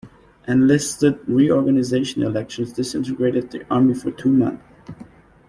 Enlisted reorganization elections disintegrated the army for two months.